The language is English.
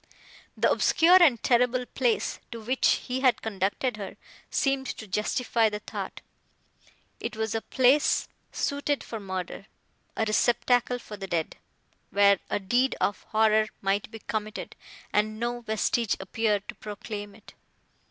The obscure and terrible place, to which he had conducted her, seemed to justify the thought; it was a place suited for murder, a receptacle for the dead, where a deed of horror might be committed, and no vestige appear to proclaim it.